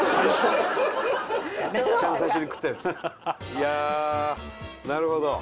いやなるほど。